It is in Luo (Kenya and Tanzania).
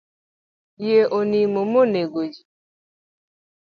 Yie onimo mo negoji.